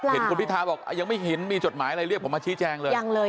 เห็นคุณพิทาบอกยังไม่เห็นมีจดหมายอะไรเรียกผมมาชี้แจงเลย